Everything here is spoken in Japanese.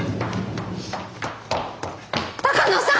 鷹野さん！